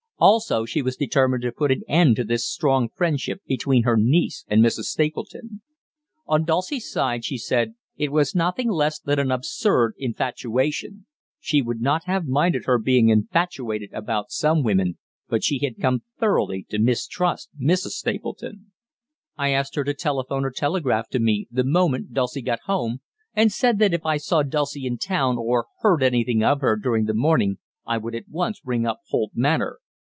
Also she was determined to put an end to this strong friendship between her niece and Mrs. Stapleton. On Dulcie's side, she said, it was nothing less than an absurd infatuation. She would not have minded her being infatuated about some women, but she had come thoroughly to mistrust Mrs. Stapleton. I asked her to telephone or telegraph to me the moment Dulcie got home, and said that if I saw Dulcie in town or heard anything of her during the morning I would at once ring up Holt Manor.